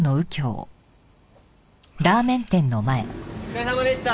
お疲れさまでした。